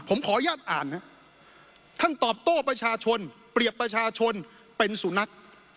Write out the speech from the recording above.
ผมขออนุญาตอ่านครับท่านตอบโต้ประชาชนเปรียบประชาชนเป็นสุนัข